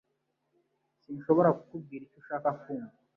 Sinshobora kukubwira icyo ushaka kumva